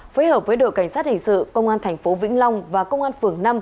phối hợp với đội cảnh sát hình sự công an thành phố vĩnh long và công an phường năm